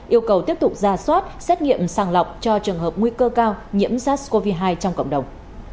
yêu cầu tiếp tục ra soát xét nghiệm sàng lọc cho trường hợp nguy cơ cao nhiễm sars cov hai trong cộng đồng